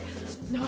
何？